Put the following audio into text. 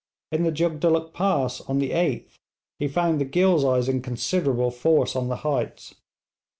In the Jugdulluk Pass, on the 8th, he found the Ghilzais in considerable force on the heights.